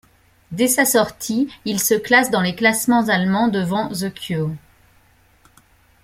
Dès sa sortie, il se classe dans les classements allemands devant The Cure.